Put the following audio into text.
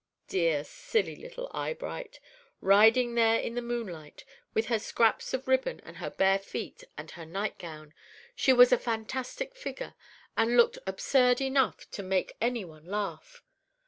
Dear silly little Eyebright! Riding there in the moonlight, with her scraps of ribbon and her bare feet and her night gown, she was a fantastic figure, and looked absurd enough to make any one laugh.